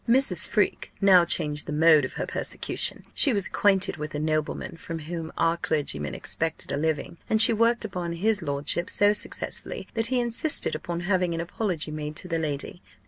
"Mrs. Freke now changed the mode of her persecution: she was acquainted with a nobleman from whom our clergyman expected a living, and she worked upon his lordship so successfully, that he insisted upon having an apology made to the lady.